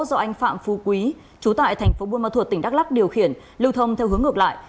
do anh phạm phu quý chú tại tp buôn ma thuột tỉnh đắk lóc điều khiển lưu thông theo hướng ngược lại